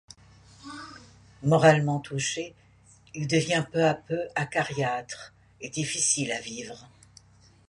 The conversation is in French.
Moralement touché, il devient peu à peu acariâtre et difficile à vivre.